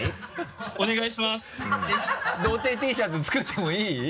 童貞Ｔシャツ作ってもいい？